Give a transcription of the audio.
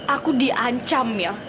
aku diancam mil